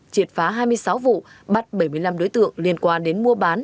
triệt phá hai mươi sáu vụ bắt bảy mươi năm đối tượng liên quan đến mua bán